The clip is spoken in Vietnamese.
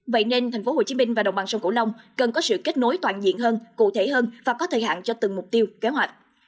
vậy nên tp hcm và đồng bằng sông cổ long cần có sự kết nối toàn diện hơn cụ thể hơn và có thời hạn cho từng mục tiêu kế hoạch